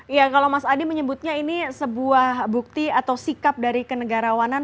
iya kalau mas adi menyebutnya ini sebuah bukti atau sikap dari kenegarawanan